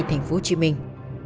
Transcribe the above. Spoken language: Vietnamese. thành phố hồ chí minh